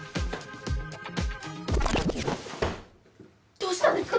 どうしたんですか？